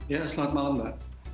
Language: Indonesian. ya selamat malam mbak